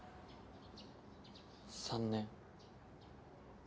３年。